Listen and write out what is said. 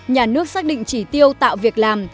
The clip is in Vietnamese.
nhà nước xác định chỉ tiêu tạo việc làm